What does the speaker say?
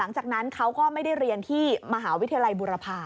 หลังจากนั้นเขาก็ไม่ได้เรียนที่มหาวิทยาลัยบุรพา